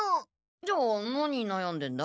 じゃあ何なやんでんだ？